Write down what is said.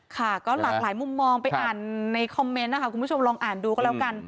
ค่ะก็หลากหลายมุมมองไปอ่านในคอมเมนต์นะคะคุณผู้ชมลองอ่านดูก็แล้วกัน